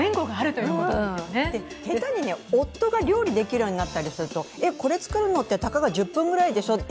で、へたに夫が料理できるようになったりするとこれ作るのって、たかが１０分ぐらいでしょうと。